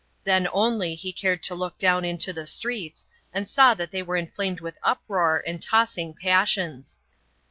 Then only he cared to look down into the streets, and saw that they were inflamed with uproar and tossing passions.